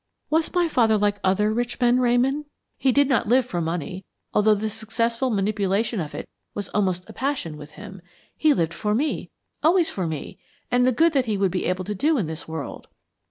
Was my father like other rich men, Ramon? He did not live for money, although the successful manipulation of it was almost a passion with him. He lived for me, always for me, and the good that he would be able to do in this world."